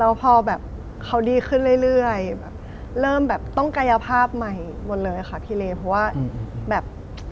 แล้วพอแบบเขาดีขึ้นเรื่อยแบบเริ่มแบบต้องกายภาพใหม่หมดเลยค่ะพี่เลเพราะว่าแบบ